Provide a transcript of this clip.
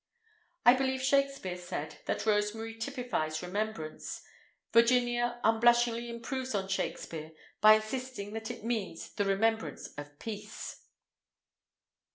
I believe Shakespeare said that rosemary typifies remembrance; Virginia unblushingly improves on Shakespeare by insisting that it means the remembrance of peace.